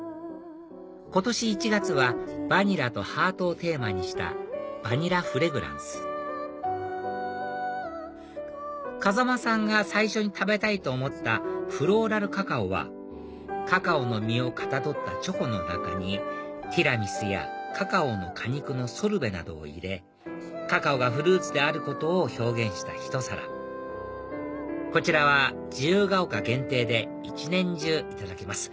今年１月はバニラとハートをテーマにしたバニラフレグランス風間さんが最初に食べたいと思ったフローラルカカオはカカオの実をかたどったチョコの中にティラミスやカカオの果肉のソルベなどを入れカカオがフルーツであることを表現したひと皿こちらは自由が丘限定で一年中いただけます